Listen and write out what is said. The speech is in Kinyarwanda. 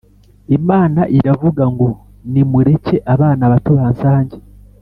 Imana iravugango ni mureke abana bato bansange